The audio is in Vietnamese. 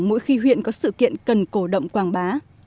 mỗi khi huyện có sự kiện cần cổ động quảng bá